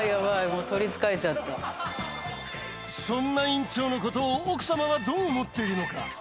もうそんな院長のことを奥様はどう思っているのか